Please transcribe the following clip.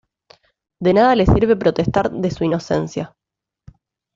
De nada le sirve protestar de su inocencia.